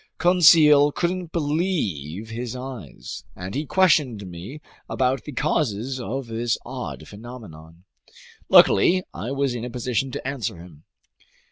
Conseil couldn't believe his eyes, and he questioned me about the causes of this odd phenomenon. Luckily I was in a position to answer him.